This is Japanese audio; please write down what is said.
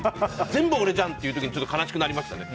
全部、俺じゃん！ってなって悲しくなりましたね。